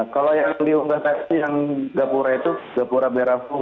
kalau yang diunggah tadi yang gapura itu gapura berafum